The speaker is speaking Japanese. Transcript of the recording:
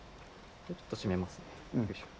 ちょっと締めますね。